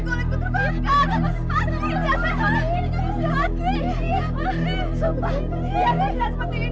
mau pamer kecantikan ya